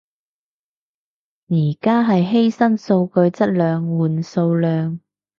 而家係犧牲數據質量換數量